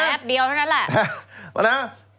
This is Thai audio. เดียวเท่านั้นแหละ